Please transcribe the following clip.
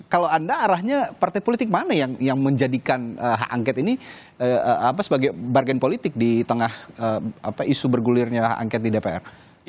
kalau anda arahnya partai politik mana yang menjadikan hak angket ini sebagai bargain politik di tengah isu bergulirnya hak angket di dpr